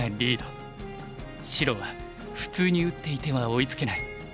白は普通に打っていては追いつけない。